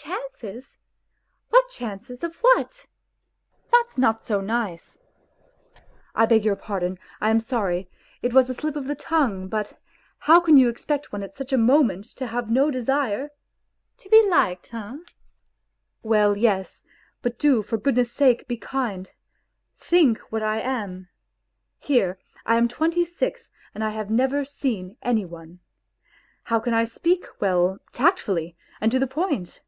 ..." "Chances! What chances of what? That's not so nice." " I beg your pardon, I am sorry, it was a slip of the tongue ; but how can you expect one at such a moment to have no desire. ..."" To be liked, eh ?"" Well, yes ; but do, for goodness' sake, be kind. Think what I am ! Here, I am twenty six and I have never seen any one. How can I speak well, tactfully, and to the point